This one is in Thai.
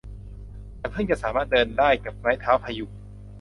ฉันเพิ่งจะสามารถเดินได้กับไม้เท้าพยุง